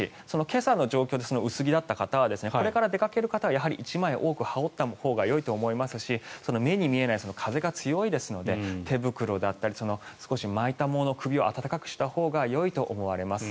今朝の状況で薄着だった方はこれから出かける方はやはり１枚羽織ったほうがよいと思いますし目に見えない風が強いですので手袋だったり巻くもので首を温かくしたほうがいいと思います。